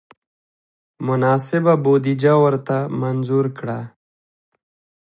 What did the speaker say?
مناسبه بودجه ورته منظور کړه.